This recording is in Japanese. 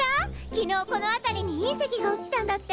昨日この辺りに隕石が落ちたんだって！